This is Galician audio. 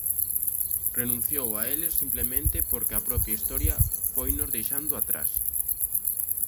Renunciou a eles simplemente porque a propia Historia foinos deixando atrás.